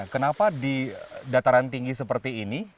kenapa di dataran tinggi seperti ini